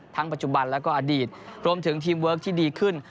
ปัจจุบันแล้วก็อดีตรวมถึงทีมเวิร์คที่ดีขึ้น